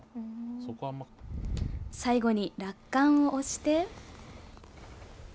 最後に落款を押して。